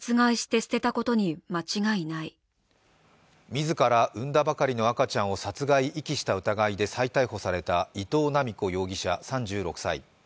自ら産んだばかりの赤ちゃんを殺害・遺棄した疑いで逮捕された伊藤七美子容疑者３７歳。